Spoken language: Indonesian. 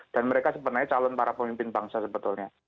dan mereka sebenarnya calon para pemimpin bangsa sebetulnya